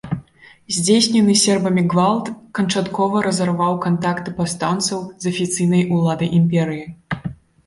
Здзейснены сербамі гвалт канчаткова разарваў кантакты паўстанцаў з афіцыйнай уладай імперыі.